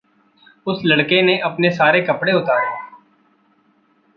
उस लड़के ने अपने सारे कपड़े उतारे।